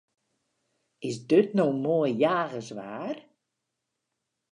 Is dit no moai jagerswaar?